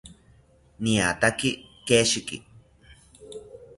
Niataki keshiki